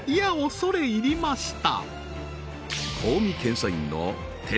恐れ入りました